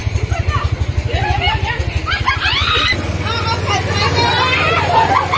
สวัสดีครับ